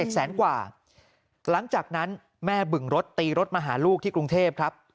แสนกว่าหลังจากนั้นแม่บึงรถตีรถมาหาลูกที่กรุงเทพครับ